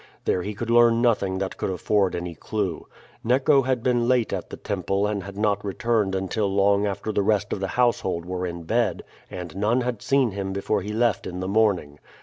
There he could learn nothing that could afford any clew. Neco had been late at the temple and had not returned until long after the rest of the household were in bed, and none had seen him before he left in the morning.